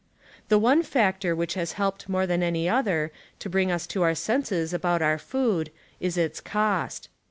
The one factor which has helped more than any other to bring us to our senses about our food is its cost.